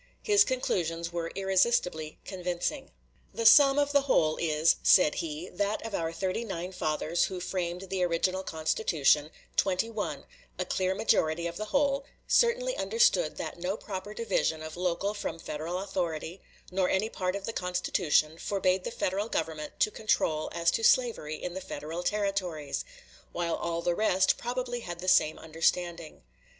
His conclusions were irresistibly convincing. The sum of the whole is [said he] that of our thirty nine fathers who framed the original Constitution, twenty one a clear majority of the whole certainly understood that no proper division of local from Federal authority, nor any part of the Constitution, forbade the Federal Government to control as to slavery in the Federal Territories; while all the rest probably had the same understanding.